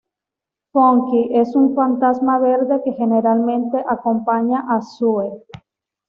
Funky es un fantasma verde que generalmente acompaña a Sue.